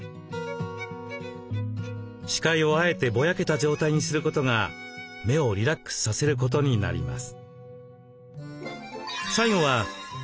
視界をあえてぼやけた状態にすることが目をリラックスさせることになります。